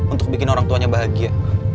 untuk bikin orang tuanya bahagia